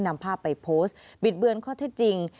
นำภาพไปโพสต์บิดเบือนข้อเท็จจริง